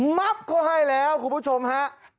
มั๊บโคไฮแล้วคุณผู้ชมฮะ